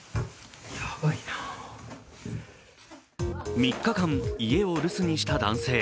３日間、家を留守にした男性。